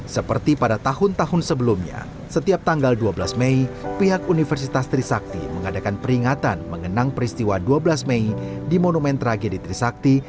seperti pada tahun tahun sebelumnya setiap tanggal dua belas mei pihak universitas trisakti mengadakan peringatan mengenang peristiwa dua belas mei di monumen tragedi trisakti